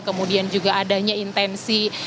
kemudian juga adanya intensi